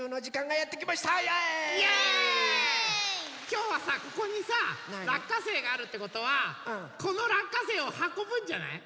きょうはさここにさらっかせいがあるってことはこのらっかせいをはこぶんじゃない？